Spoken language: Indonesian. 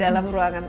di dalam ruangan